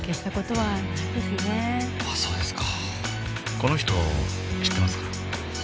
この人知ってますか？